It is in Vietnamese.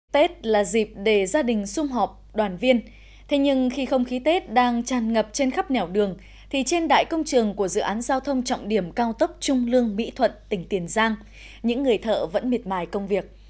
tết là dịp để gia đình xung họp đoàn viên thế nhưng khi không khí tết đang tràn ngập trên khắp nẻo đường thì trên đại công trường của dự án giao thông trọng điểm cao tốc trung lương mỹ thuận tỉnh tiền giang những người thợ vẫn miệt mài công việc